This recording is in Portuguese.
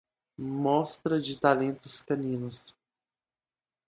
Mostra de talentos caninos